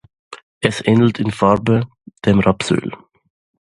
Es ähnelt in Farbe dem Rapsöl.